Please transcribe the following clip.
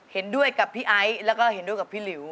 เห็นด้วยกับพี่ไอซ์แล้วก็เห็นด้วยกับพี่หลิว